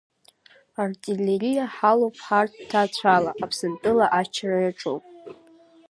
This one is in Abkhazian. Артиллериа ҳалоуп ҳарҭ ҭаацәала, Аԥсынтәыла ахьчара иаҿу.